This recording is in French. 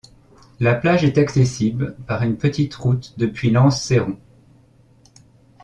La plage est accessible par une petite route depuis l'Anse Céron.